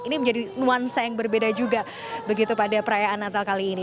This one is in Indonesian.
ini menjadi nuansa yang berbeda juga begitu pada perayaan natal kali ini